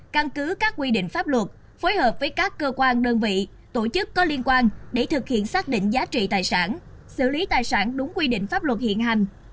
căn cứ các quy định pháp luật phối hợp với các cơ quan đơn vị tổ chức có liên quan để thực hiện xác định giá trị tài sản xử lý tài sản đúng quy định pháp luật hiện hành